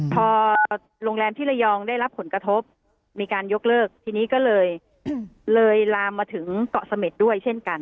พอโรงแรมที่ระยองได้รับผลกระทบมีการยกเลิกทีนี้ก็เลยเลยลามมาถึงเกาะเสม็ดด้วยเช่นกัน